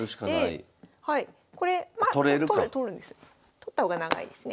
取った方が長いですね。